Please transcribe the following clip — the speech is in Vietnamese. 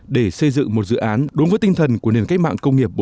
để xây dựng một dự án đúng với tinh thần của nền cách mạng công nghiệp bốn